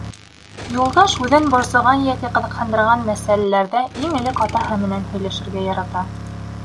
Юлдаш үҙен борсоған йәки ҡыҙыҡһындырған мәсьәләләрҙә иң элек атаһы менән һөйләшергә ярата.